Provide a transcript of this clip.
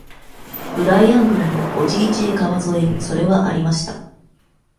ブライアン郡のオジーチー川沿いにそれはありました。